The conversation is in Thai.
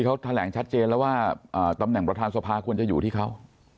เขาแถลงชัดเจนแล้วว่าตำแหน่งประธานสภาควรจะอยู่ที่เขา